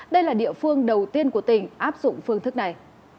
đây là địa phương đầu tiên của tỉnh áp dụng phương thức này